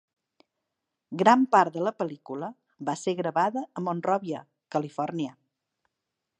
Gran part de la pel·lícula va ser gravada a Monrovia, Califòrnia.